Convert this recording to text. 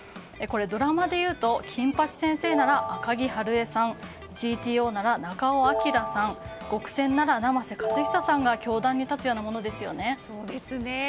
これ、ドラマでいうと「金八先生」なら赤木春恵さん「ＧＴＯ」なら中尾彬さん「ごくせん」なら生瀬勝久さんが教壇に立つようなものですよね。